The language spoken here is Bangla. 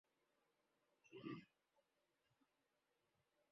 পৃথিলা দত্ত পুরকায়স্থ, স্বর্ণা চৌধুরী, নাহিদা আক্তার করবী, সিলেট সরকারি মহিলা কলেজ।